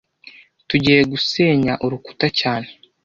Tugiye gusenya urukuta cyane